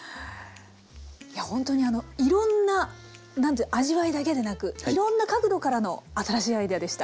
いやほんとにあのいろんな何て言う味わいだけでなくいろんな角度からの新しいアイデアでした。